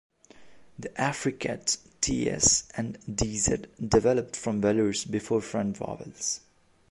The affricates "ts" and "dz" developed from velars before front vowels.